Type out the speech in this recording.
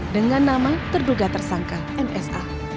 dengan nama terduga tersangka msa